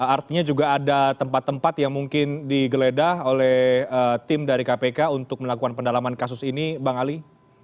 artinya juga ada tempat tempat yang mungkin digeledah oleh tim dari kpk untuk melakukan pendalaman kasus ini bang ali